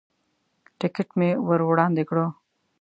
ټکټ مې ور وړاندې کړو.